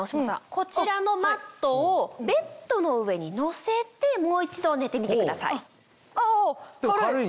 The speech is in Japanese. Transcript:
こちらのマットをベッドの上にのせてもう一度寝てみてください。